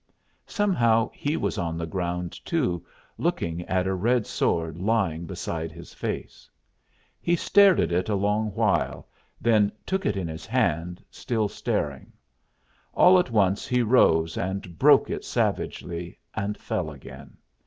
Somehow he was on the ground too, looking at a red sword lying beside his face. He stared at it a long while, then took it in his hand, still staring; all at once he rose and broke it savagely, and fell again.